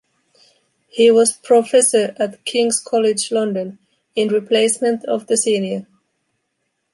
He was Professor at King´s College, London, in replacement of the Senior.